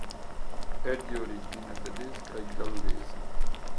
È di origine tedesca e gallese.